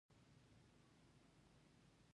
د سرو او سپينو زرو اتلس سيکې وې.